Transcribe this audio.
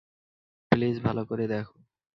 Please, ভালো করে দেখো।